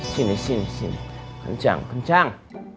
sini sini sini kencang kencang